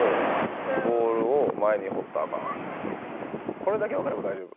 これだけ分かれば大丈夫。